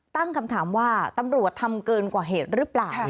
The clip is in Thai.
ตั้งคำถามว่าตำรวจทำเกินกว่าเหตุหรือเปล่า